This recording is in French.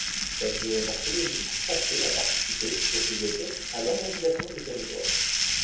Cette géomorphologie contrastée a participé, au fil des siècles, à l'organisation du territoire.